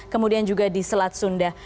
kemudian juga di selat sunda